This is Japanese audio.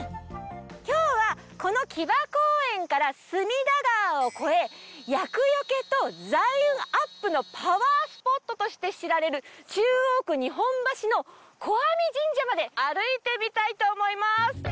今日はこの木場公園から隅田川を越え厄よけと財運アップのパワースポットとして知られる中央区日本橋の小網神社まで歩いてみたいと思います！